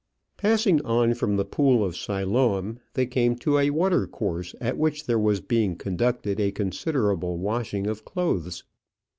Passing on from the pool of Siloam, they came to a water course at which there was being conducted a considerable washing of clothes.